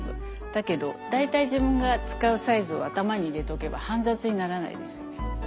だけど大体自分が使うサイズを頭に入れとけば煩雑にならないですよね。